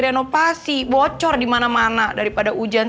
rafa ini floor kau mesiur bangunan